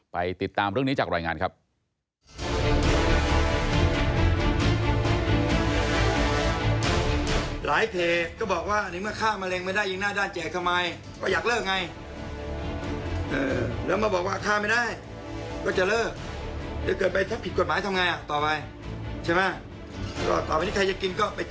ไปติดตามเรื่องนี้จากรายงานครับ